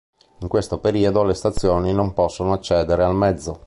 In questo periodo le stazioni non possono accedere al mezzo.